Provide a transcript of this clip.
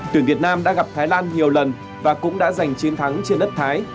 tuyển việt nam đã gặp thái lan nhiều lần và cũng đã giành chiến thắng trên đất thái